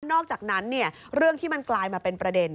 อกจากนั้นเรื่องที่มันกลายมาเป็นประเด็น